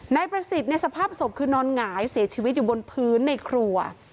นายประสิทธิ์ในสภาพศพคือนอนหงายเสียชีวิตอยู่บนพื้นในครัว